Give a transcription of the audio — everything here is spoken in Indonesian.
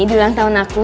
jadilah yang tahun aku